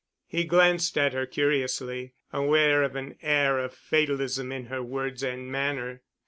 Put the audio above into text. He glanced at her curiously, aware of an air of fatalism in her words and manner.